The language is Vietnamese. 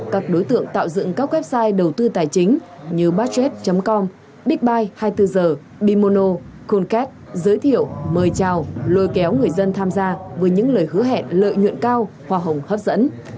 các đối tượng tạo dựng các website đầu tư tài chính như bajet com bigbay hai mươi bốn h dimono colcast giới thiệu mời chào lôi kéo người dân tham gia với những lời hứa hẹn lợi nhuận cao hoa hồng hấp dẫn